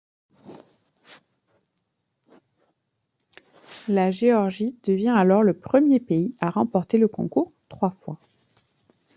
La Géorgie devient alors le premier pays à remporter le Concours trois fois.